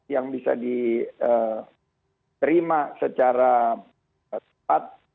yang bisa diterima secara tepat